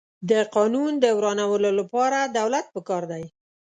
د قانون د ورانولو لپاره دولت پکار دی.